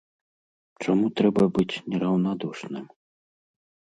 Чаму трэба быць нераўнадушным?